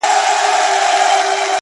خو دده زامي له يخه څخه رېږدي;